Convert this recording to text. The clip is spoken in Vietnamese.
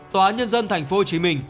tòa án nhân dân tp hcm